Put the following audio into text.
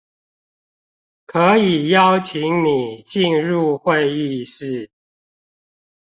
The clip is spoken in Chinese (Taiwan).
可以邀請你進入會議室